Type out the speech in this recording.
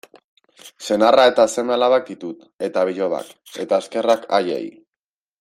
Senarra eta seme-alabak ditut, eta bilobak, eta eskerrak haiei.